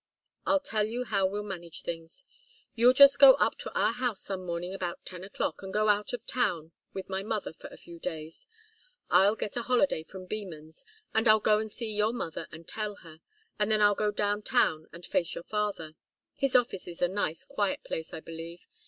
I'll tell you how we'll manage it. You'll just go up to our house some morning about ten o'clock, and go out of town with my mother for a few days. I'll get a holiday from Beman's, and I'll go and see your mother and tell her, and then I'll go down town and face your father. His office is a nice, quiet place, I believe.